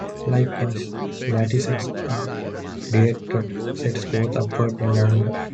Likewise, lattices are directed sets both upward and downward.